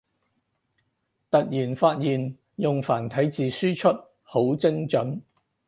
突然發現用繁體字輸出好精准